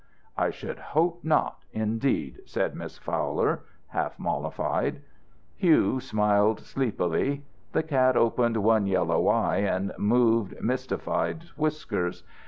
"I should hope not, indeed," said Miss Fowler, half mollified. Hugh smiled sleepily. The cat opened one yellow eye and moved mystified whiskers.